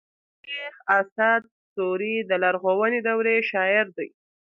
شېخ اسعد سوري د لرغوني دورې شاعر دﺉ.